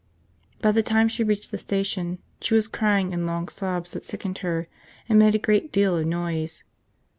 By the time she reached the station she was crying in long sobs that sickened her and made a great deal of noise.